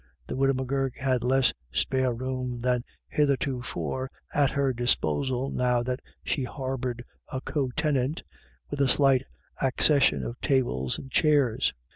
The widow M'Gurk had less spare room than heretofore at her disposal now that she harboured a co tenant, with a slight accession of tables and chairs.